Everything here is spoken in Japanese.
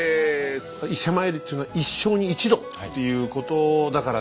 伊勢参りっていうのは一生に一度っていうことだからね。